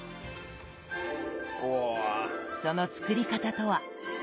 その作り方とは。